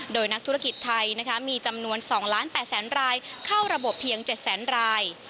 โดยนักธุรกิจไทยมีจำนวน๒๘๐๐๐รายเข้าระบบเพียง๗แสนราย